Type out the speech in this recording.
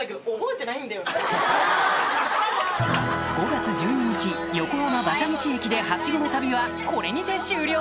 ５月１２日横浜・馬車道駅でハシゴの旅はこれにて終了！